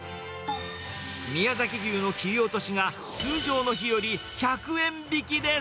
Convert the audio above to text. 宮崎牛の切り落としが、通常の日より１００円引きです。